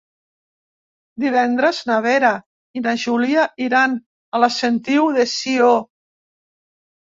Dimecres na Vera i na Júlia iran a la Sentiu de Sió.